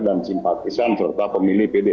dan simpatisan serta pemilih pdip